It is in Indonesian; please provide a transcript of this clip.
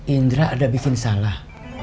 indra ada bikin salah